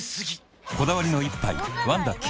こだわりの一杯「ワンダ極」